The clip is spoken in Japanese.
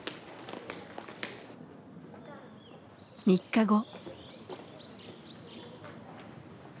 ３日後。